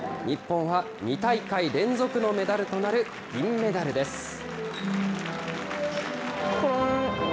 日本は２大会連続のメダルとなる銀メダルです。